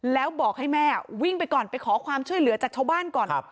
แล้วบอกให้แม่วิ่งไปก่อนไปขอความช่วยเหลือจากชาวบ้านก่อน